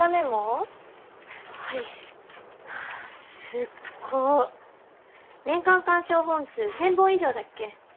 すっご年間鑑賞本数１，０００本以上だっけ？